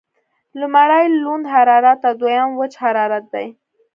لمړی لوند حرارت او دویم وچ حرارت دی.